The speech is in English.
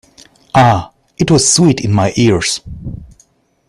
Ah, it was sweet in my ears.